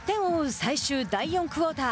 最終、第４クオーター。